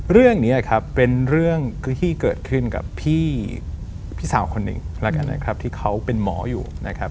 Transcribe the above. เรื่องนี้เป็นเรื่องที่เกิดขึ้นกับพี่สาวคนหนึ่งที่เขาเป็นหมออยู่